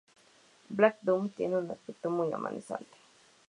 Black Doom tiene un aspecto muy amenazante.